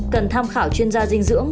cần tham khảo chuyên gia dinh dưỡng